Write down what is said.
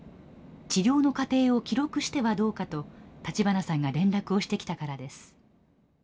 治療の過程を記録してはどうか」と立花さんが連絡をしてきたからです。